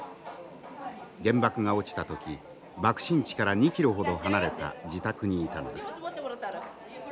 原爆が落ちた時爆心地から２キロほど離れた自宅にいたのです。